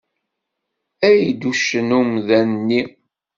Ay d uccen umdan-nni!